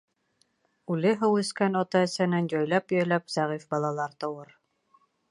Үле һыу эскән ата-әсәнән яйлап-яйлап зәғиф балалар тыуыр.